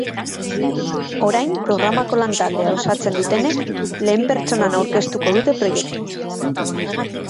Orain programako lantaldea osatzen dutenek lehen pertsonan aurkeztuko dute proiektua.